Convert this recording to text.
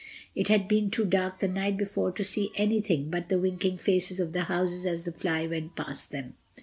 It had been too dark the night before to see anything but the winking faces of the houses as the fly went past them.